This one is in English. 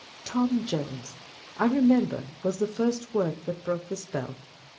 â€" Tom Jones, I remember, was the first work that broke the spell.